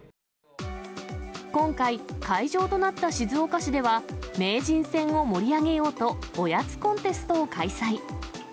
今回、会場となった静岡市では、名人戦を盛り上げようと、おやつコンテストを開催。